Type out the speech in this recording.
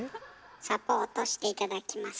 サポートして頂きます。